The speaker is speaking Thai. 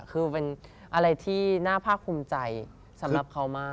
คือเป็นอะไรที่น่าภาคภูมิใจสำหรับเขามาก